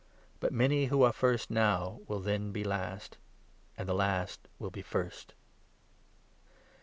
But many who are 31 first now will then be last, and the last will be first."